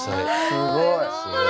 すごい！